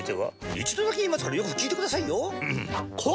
一度だけ言いますからよく聞いてくださいよ。